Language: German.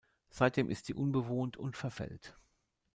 Seitdem ist sie unbewohnt und verfällt.